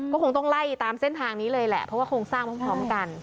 ก็คงต้องไล่ตามเส้นทางนี้เลยแหละเพราะว่าโครงสร้างพร้อมกัน